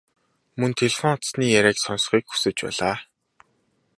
Мөн телефон утасны яриаг сонсохыг хүсэж байлаа.